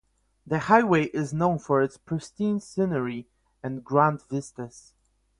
The highway is known for its pristine scenery and grand vistas.